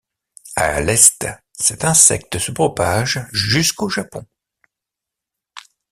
À l'est, cet insecte se propage jusqu'au Japon.